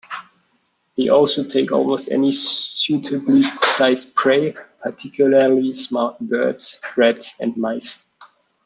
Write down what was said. They also take almost any suitably sized prey, particularly small birds, rats and mice.